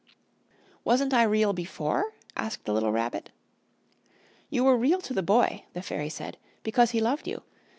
"Wasn't I Real before?" asked the little Rabbit. "You were Real to the Boy," the Fairy said, "because he loved you.